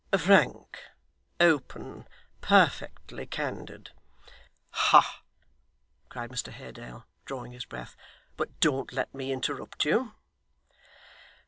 'Frank open perfectly candid.' 'Hah!' cried Mr Haredale, drawing his breath. 'But don't let me interrupt you.